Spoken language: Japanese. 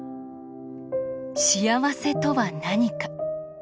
幸せとは何か。